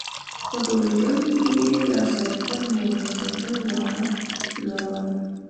په ټول ژوند یې له سایکل موټرسایکل وانه ړوله.